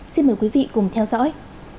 xin mời quý vị cùng theo dõi